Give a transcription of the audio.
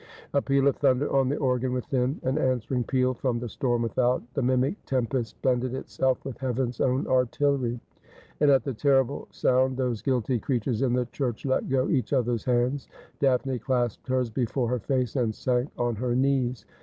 A peal of thunder on the organ within, an answering peal from the storm without. The mimic tempest blended itself with heaven's own artillery ; and at the terrible sound those guilty creatures in the church let go each other's hands. Daphne clasped hers before her face, and sank on her knees.